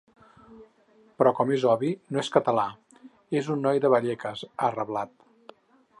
Però com és obvi, no és català, és un noi de Vallecas, ha reblat.